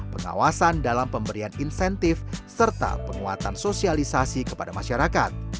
pengawasan dalam pemberian insentif serta penguatan sosialisasi kepada masyarakat